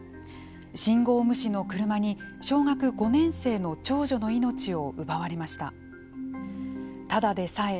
信号無視の車に小学５年生の長女の命を奪われました。